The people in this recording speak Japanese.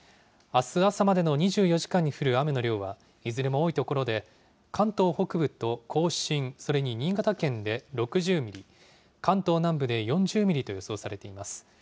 あす朝までの２４時間に降る雨の量は、いずれも多い所で、関東北部と甲信、それに新潟県で６０ミリ、関東南部で４０ミリと予想されています。